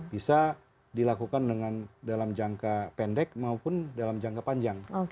bisa dilakukan dengan dalam jangka pendek maupun dalam jangka panjang